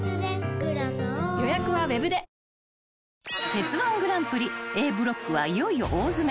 ［鉄−１グランプリＡブロックはいよいよ大詰め］